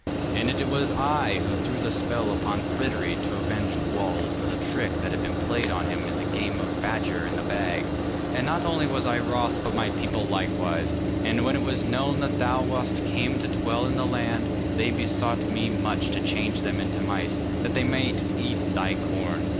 And it was I who threw the spell upon Pryderi to avenge Gwawl for the trick that had been played on him in the game of Badger in the Bag. And not only was I wroth, but my people likewise, and when it was known that thou wast come to dwell in the land, they besought me much to change them into mice, that they might eat thy corn.